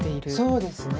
そうですねはい。